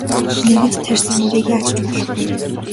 Нэгэнт тарьсан үрийг яаж ч болохгүй.